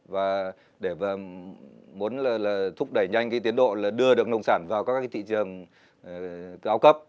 và để muốn thúc đẩy nhanh cái tiến độ là đưa được nông sản vào các cái thị trường cao cấp